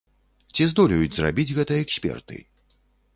Ці здолеюць зрабіць гэта эксперты?